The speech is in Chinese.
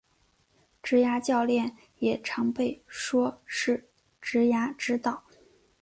职涯教练也常被说是职涯指导。